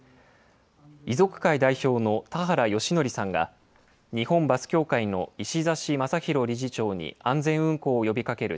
遺族会代表の田原義則さんが、日本バス協会の石指雅啓理事長に安全運行を呼びかける